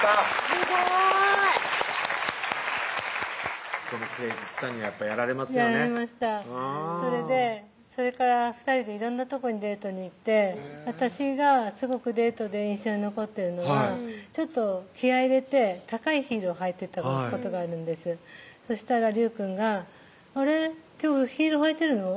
すごいその誠実さにはやられますよねやられましたそれでそれから２人で色んなとこにデートに行って私がすごくデートで印象に残ってるのはちょっと気合い入れて高いヒールを履いていったことがあるんですそしたら隆くんが「あれ？今日ヒール履いてるの？」